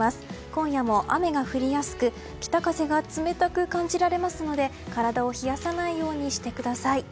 今夜も雨が降りやすく北風が冷たく感じられますので体を冷やさないようにしてください。